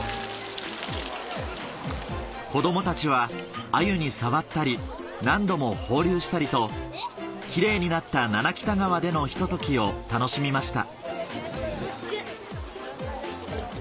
子供たちはアユに触ったり何度も放流したりとキレイになった七北田川でのひとときを楽しみました